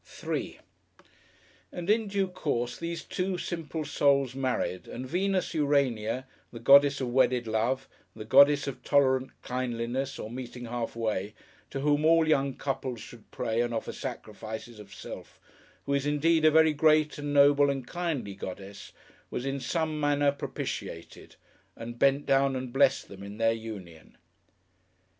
§3 And in due course these two simple souls married, and Venus Urania, the Goddess of Wedded Love, the Goddess of Tolerant Kindliness or Meeting Half Way, to whom all young couples should pray and offer sacrifices of self, who is indeed a very great and noble and kindly goddess, was in some manner propitiated, and bent down and blessed them in their union.